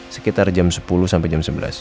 sekitar jam sepuluh sampai jam sebelas